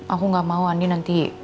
aku gak mau andien nanti